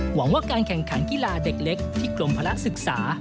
หวังว่าการแข่งขันกีฬาเด็กเล็กที่กรมภาระศึกษา